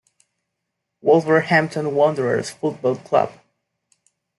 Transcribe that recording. Wolverhampton Wanderers Football Club.